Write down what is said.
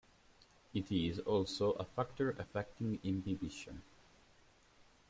It is also a factor affecting imbibition.